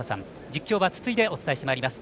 実況は筒井でお伝えしてまいります。